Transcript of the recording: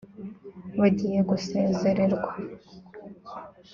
bagiye gusezererwa